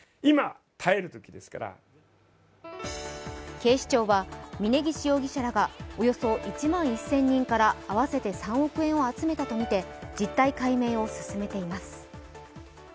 警視庁は峯岸容疑者らがおよそ１万１０００人から合わせて３億円を集めたとみて実態解明を進めています。